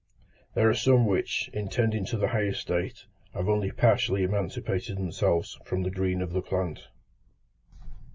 There are some which, in tending to the higher state, have only partially emancipated themselves from the green of the plant.